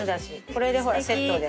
これでセットで。